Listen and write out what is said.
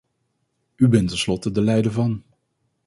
U bent tenslotte de leider van.